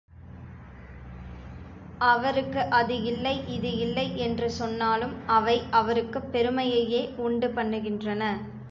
அவருக்கு அது இல்லை, இது இல்லை என்று சொன்னாலும் அவை அவருக்குப் பெருமையையே உண்டு பண்ணுகின்றன.